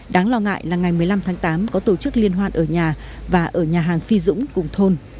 đáng lo ngại là ngày một mươi năm tháng tám có tổ chức liên hoan ở nhà và ở nhà hàng phi dũng cùng thôn